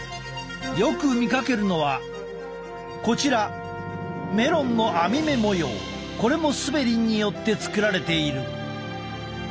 よく見かけるのはこちらこれもスベリンによって作られている。